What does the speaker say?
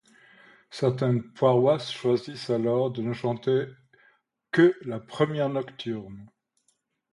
Certaines paroisses choisissent alors de ne chanter que le premier nocturne.